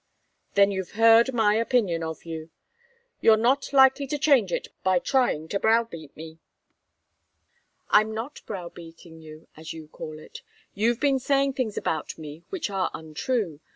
"Then you've heard my opinion of you. You're not likely to change it by trying to browbeat me." "I'm not browbeating you, as you call it. You've been saying things about me which are untrue.